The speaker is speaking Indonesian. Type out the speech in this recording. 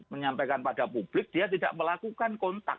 menyampaikan pada publik dia tidak melakukan kontak